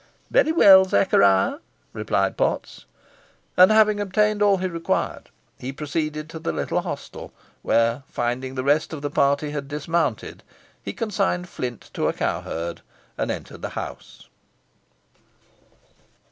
"Very well, Zachariah," replied Potts. And having obtained all he required, he proceeded to the little hostel, where, finding the rest of the party had dismounted, he consigned Flint to a cowherd, and entered the house.